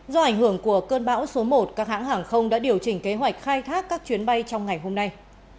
do ảnh hưởng của cơn bão số một các hãng hàng không đã điều chỉnh kế hoạch khai thác các chuyến bay trong ngày hôm nay